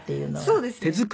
そうですね。